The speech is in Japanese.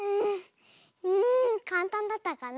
うんかんたんだったかな。